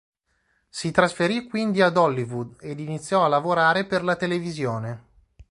Si trasferì quindi ad Hollywood ed iniziò a lavorare per la televisione.